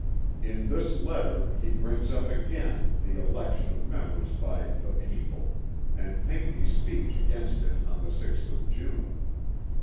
In this letter, he brings up again, the election of members by "the people" and Pinckney's speech against it on the 6th of June.